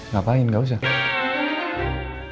ngapain gak usah